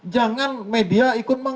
jangan media ikut